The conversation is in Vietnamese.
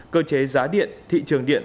cơ chế giá điện thị trường điện